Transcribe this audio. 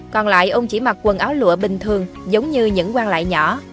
còn lại ông chỉ mặc quần áo lụa bình thường giống như những quang lại nhỏ